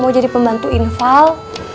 mau jadi pembantu infal